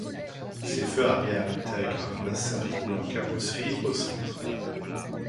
Ses feux arrière intègrent un insert couleur carrosserie au centre.